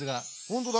本当だ！